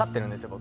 僕。